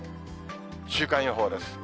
週間予報です。